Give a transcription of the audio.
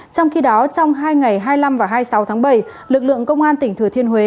trong khi đó trong hai ngày hai mươi năm và hai mươi sáu tháng bảy lực lượng công an tỉnh thừa thiên huế